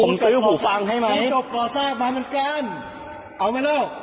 ผมซื้อหูฟังให้ไหมจบก่อสร้างมาเหมือนกันเอาไหมเล่า